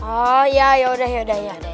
oh ya yaudah yaudah